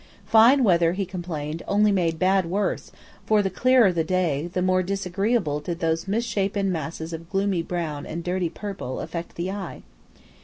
Fine weather, he complained, only made bad worse; for, the clearer the day, the more disagreeably did those misshapen masses of gloomy brown and dirty purple affect the eye.